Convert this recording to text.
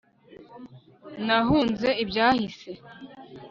nahunze ibyahise